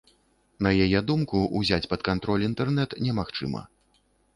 На яе думку, узяць пад кантроль інтэрнэт немагчыма.